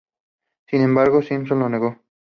Sin embargo, Simpson lo negó.